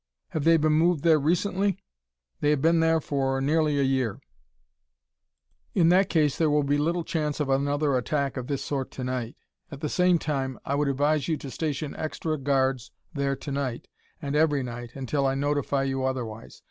"Have they been moved there recently?" "They have been there for nearly a year." "In that case there will be little chance of another attack of this sort to night. At the same time, I would advise you to station extra guards there to night and every night until I notify you otherwise.